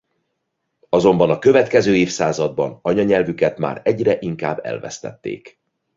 Azonban a következő évszázadban anyanyelvüket már egyre inkább elvesztették.